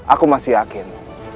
aku masih yakin